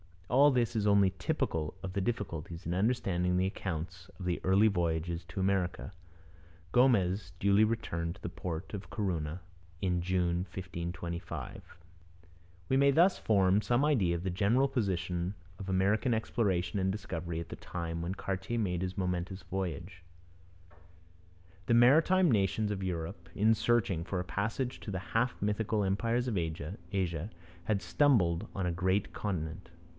All this is only typical of the difficulties in understanding the accounts of the early voyages to America. Gomez duly returned to the port of Corunna in June 1525. We may thus form some idea of the general position of American exploration and discovery at the time when Cartier made his momentous voyages. The maritime nations of Europe, in searching for a passage to the half mythical empires of Asia, had stumbled on a great continent.